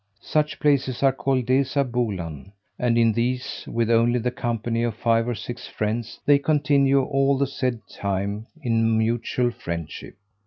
Such places are called deza boulan; and in these, with only the company of five or six friends, they continue all the said time in mutual friendship.